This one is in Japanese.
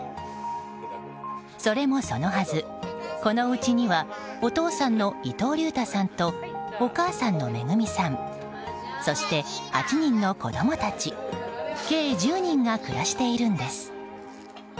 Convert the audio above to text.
それもそのはず、このおうちにはお父さんの伊藤竜太さんとお母さんの愛さんそして、８人の子供たち計１０人が暮らしているんです。